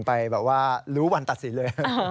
ไปรู้วันตัดสินเลย